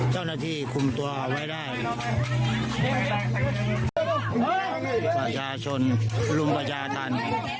เจ้าหน้าที่คุมตัวเอาไว้ได้ประชาชนรุมประชาธรรม